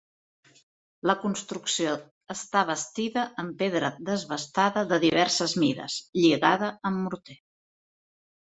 La construcció està bastida amb pedra desbastada de diverses mides, lligada amb morter.